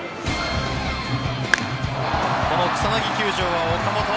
この草薙球場は岡本。